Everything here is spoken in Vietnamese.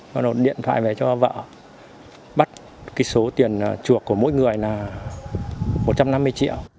bắt đầu điện thoại về cho vợ bắt cái số tiền chuộc của mỗi người là một trăm năm mươi triệu